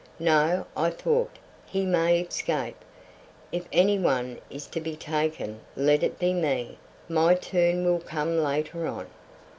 "No," I thought, "he may escape. If any one is to be taken let it be me; my turn will come later on."